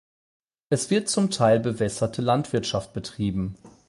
Es wird zum Teil bewässerte Landwirtschaft betrieben.